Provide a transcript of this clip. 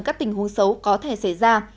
các tình huống xấu có thể xảy ra